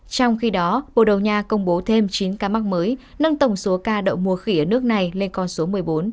trong khi đó bồ đầu nha công bố thêm chín ca mắc mới nâng tổng số ca đậu mùa khỉ ở nước này lên con số một mươi bốn